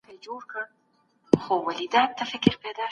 ځان غوښتلې ځان وژنه بل ډول دی.